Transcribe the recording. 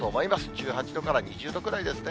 １８度から２０度くらいですね。